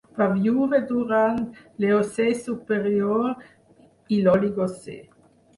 Va viure durant l'Eocè superior i l'Oligocè.